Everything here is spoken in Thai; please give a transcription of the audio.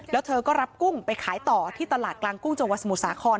เลยสาปกุ้งไปขายต่อที่ตลาดกลางกุ้งจงวัสหมุสาคอน